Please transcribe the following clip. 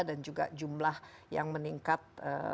dan juga jumlah yang meningkat